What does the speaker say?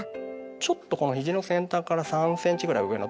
ちょっとこの肘の先端から３ｃｍぐらい上のとこで。